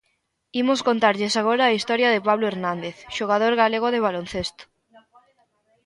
Imos contarlles agora a historia de Pablo Hernández, xogador galego de baloncesto.